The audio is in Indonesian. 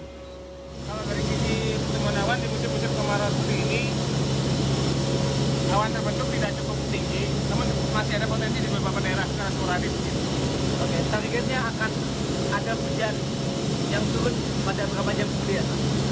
di awan terbentuk tidak cukup tinggi namun masih ada potensi di beberapa daerah